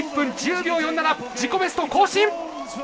１分１０秒４７自己ベスト更新！